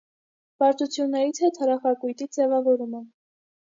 Բարդություններից է թարախակույտի ձևավորումը։